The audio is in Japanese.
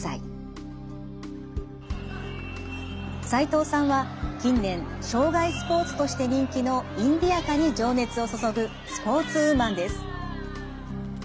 齋藤さんは近年生涯スポーツとして人気のインディアカに情熱を注ぐスポーツウーマンです。